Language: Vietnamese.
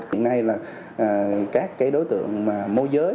hiện nay là các đối tượng mô giới